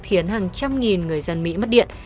khiến hàng trăm nghìn người dân mỹ mất điện